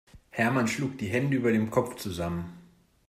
Hermann schlug die Hände über dem Kopf zusammen.